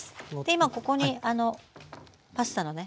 今ここにパスタのね